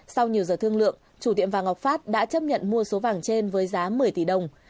sau nhiều giờ thương lượng chủ tiệm vàng ngọc phát đã chấp nhận mua số vàng trên với giá một mươi tỷ đồng